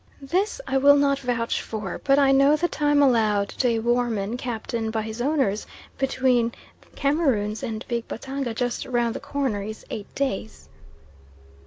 This I will not vouch for, but I know the time allowed to a Woermann captain by his owners between Cameroons and Big Batanga just round the corner is eight days.